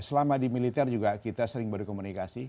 selama di militer juga kita sering berkomunikasi